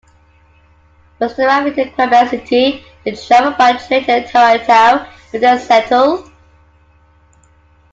First arriving in Quebec City, they travelled by train to Toronto where they settled.